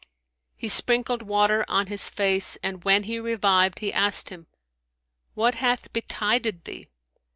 He sprinkled water on his face and when he revived, he asked him, "What hath betided thee?